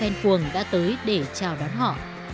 sáu fan cuồng đã tới để chào đón họ